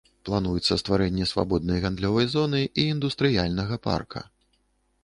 Плануецца стварэнне свабоднай гандлёвай зоны і індустрыяльнага парка.